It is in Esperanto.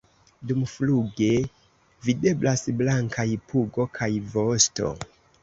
Dumfluge videblas blankaj pugo kaj vosto.